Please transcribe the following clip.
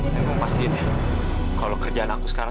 nenek mau pastiin ya kalau kerjaan aku sekarang